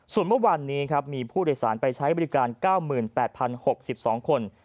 ส่วนเมื่อวานนี้ครับมีผู้โดยสารไปใช้บริการ๙๘๐๖๒คน